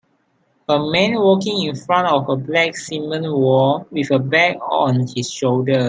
A man walking in front of a black cement wall with a bag on his shoulder.